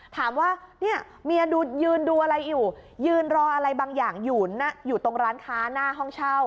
ถามว่าเนี่ยเมียยืนดูอะไรอยู่ยืนรออะไรบางอย่างอยู่ตรงร้านค้าหน้าห้องเช่า